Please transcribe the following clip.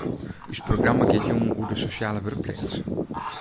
Us programma giet jûn oer de sosjale wurkpleats.